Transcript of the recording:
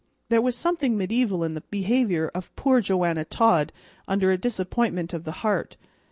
There was something mediaeval in the behavior of poor Joanna Todd under a disappointment of the heart.